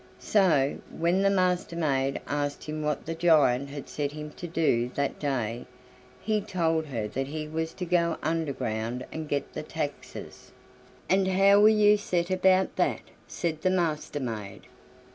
So, when the Master maid asked him what the giant had set him to do that day, he told her that he was to go underground and get the taxes. "And how will you set about that?" said the Master maid.